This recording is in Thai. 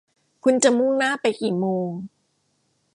คุณจะมุ่งหน้าไปกี่โมง